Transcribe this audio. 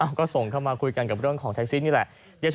เอาก็ส่งเข้ามาคุยกันกับบ้านของแท็กซี่นี่แหละ